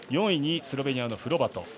４位にスロベニアのフロバト。